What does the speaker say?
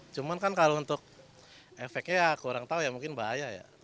cuman kan kalau untuk efeknya ya kurang tahu ya mungkin bahaya ya